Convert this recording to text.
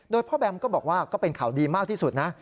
โดยพ่อแบมก็บอกว่าก็เป็นข่าวดีมากที่สุดนะ